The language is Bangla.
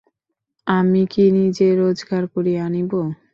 আমি কি নিজে রোজগার করিয়া আনিব।